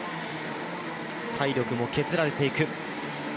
体力も削られていく。